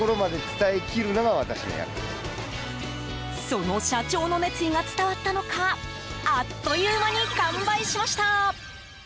その社長の熱意が伝わったのかあっという間に完売しました。